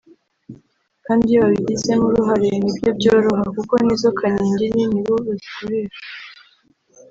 kandi iyo babigizemo uruhare ni byo byoroha kuko n’izo kaningini ni bo bazikoresha